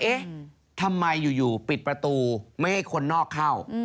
เอ๊ะทำไมอยู่ปิดประตูไม่ให้คนนอกเข้า